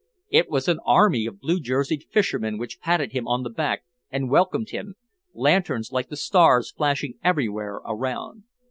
It was an army of blue jerseyed fishermen which patted him on the back and welcomed him, lanterns like the stars flashing everywhere around.